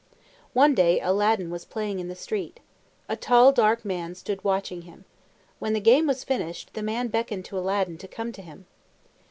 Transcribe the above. One day Aladdin was playing in the street. A tall, dark man stood watching him. When the game was finished, the man beckoned to Aladdin to come to him.